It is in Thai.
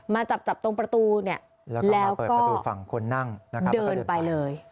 มาจับตรงประตูแล้วก็เดินไปเลย